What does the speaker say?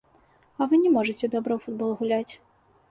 А вы не можаце добра ў футбол гуляць!